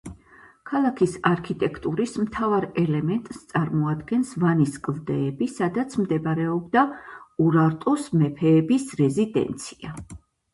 ქალაქის არქიტექტურის მთავარ ელემენტს წარმოადგენს ვანის კლდეები, სადაც მდებარეობდა ურარტუს მეფეების რეზიდენცია.